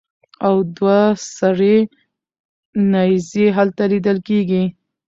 او دوه سرې نېزې هلته لیدلې کېږي.